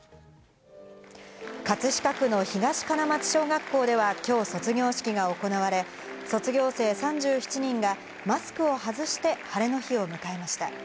葛飾区の東金町小学校では今日卒業式が行われ、卒業生３７人がマスクを外して、ハレの日を迎えました。